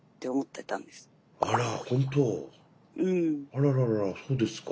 あららららそうですか。